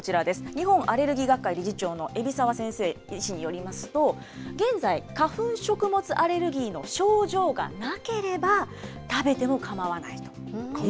日本アレルギー学会理事長の海老澤先生、医師によりますと、現在、花粉食物アレルギーの症状がなけかまわない？